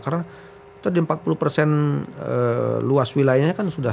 karena tadi empat puluh luas wilayahnya kan sudah